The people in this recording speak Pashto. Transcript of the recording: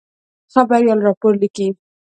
خبریال راپور لیکي.